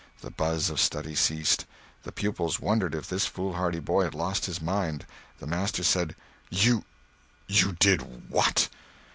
The buzz of study ceased. The pupils wondered if this foolhardy boy had lost his mind. The master said: "You—you did what?"